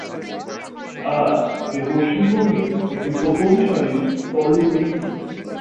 আজ এটি পশ্চিমবঙ্গের একটি প্রথম সারির পলিটেকনিক।